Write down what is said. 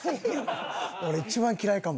俺一番嫌いかも。